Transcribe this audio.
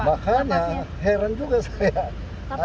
makanya heran juga saya